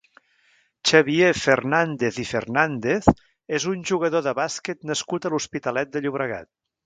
Xavier Fernàndez i Fernàndez és un jugador de bàsquet nascut a l'Hospitalet de Llobregat.